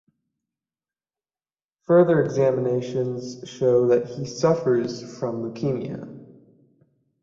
Further examinations show that he suffers from leukemia.